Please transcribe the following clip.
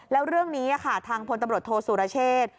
แล้วเรื่องนี้ค่ะทางพลตำรวจโทษสุรเชษ